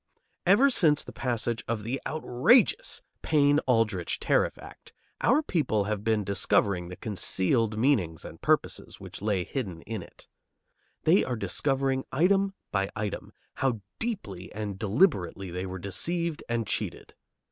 Ever since the passage of the outrageous Payne Aldrich Tariff Act our people have been discovering the concealed meanings and purposes which lay hidden in it. They are discovering item by item how deeply and deliberately they were deceived and cheated.